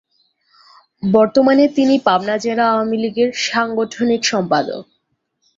বর্তমানে তিনি পাবনা জেলা আওয়ামী লীগের সাংগঠনিক সম্পাদক।